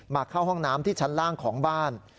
เข้าห้องน้ำที่ชั้นล่างของบ้าน